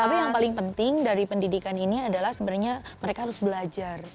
tapi yang paling penting dari pendidikan ini adalah sebenarnya mereka harus belajar